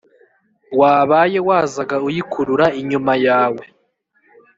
wabaye wazaga uyikurura inyuma yawe?